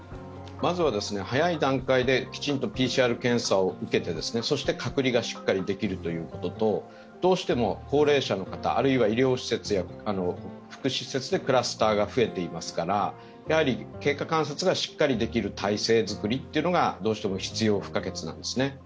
まずは早い段階できちんとＰＣＲ検査を受けてそして隔離がしっかりできるということと、どうしても高齢者の方、あるいは医療施設や福祉施設でクラスターが増えていますから経過観察がしっかりできる体制作りが必要不可欠なんですね。